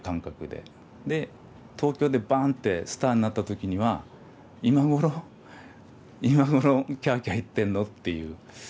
で東京でバンッてスターになった時には「今頃？今頃キャキャ言ってんの？」っていう。